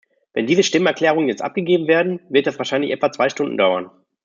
Wenn diese Stimmerklärungen jetzt abgegeben werden, wird das wahrscheinlich etwa zwei Stunden dauern.